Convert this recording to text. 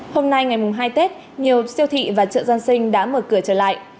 hôm nay ngày hai tết nhiều siêu thị và chợ dân sinh đã mở cửa trở lại